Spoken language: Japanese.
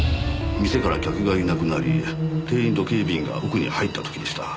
店から客がいなくなり店員と警備員が奥に入った時でした。